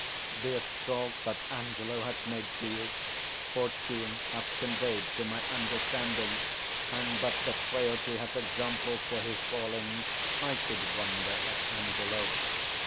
The assault that Angelo hath made to you, fortune hath conveyed to my understanding; and, but that frailty hath examples for 180 his falling, I should wonder at Angelo.